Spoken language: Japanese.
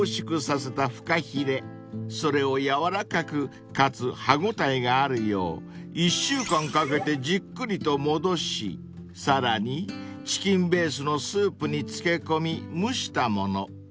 ［それを軟らかくかつ歯応えがあるよう１週間かけてじっくりと戻しさらにチキンベースのスープに漬け込み蒸したもの］